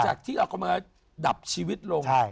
จากที่เราเอามาดับชีวิตลง